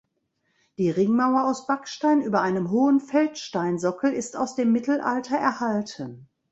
Die Ringmauer aus Backstein über einem hohen Feldsteinsockel ist aus dem Mittelalter erhalten.